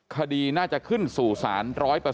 คดีน่าจะขึ้นสู่ศาล๑๐๐